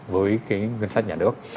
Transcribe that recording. với cái ngân sách nhà nước